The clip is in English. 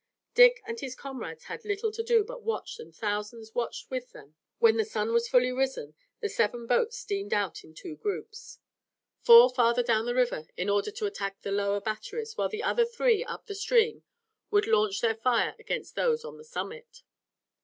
Dick and his comrades had little to do but watch and thousands watched with them. When the sun was fully risen the seven boats steamed out in two groups, four farther down the river in order to attack the lower batteries, while the other three up the stream would launch their fire against those on the summit.